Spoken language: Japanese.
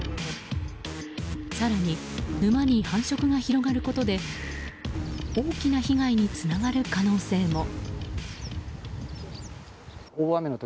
更に、沼に繁殖が広がることで大きな被害につながる可能性も。